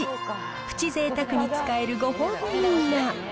プチぜいたくに使えるご褒美ウインナー。